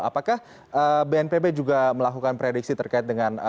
apakah bnpb juga melakukan prediksi terkait dengan